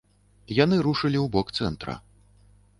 Яны рушылі ў бок цэнтра.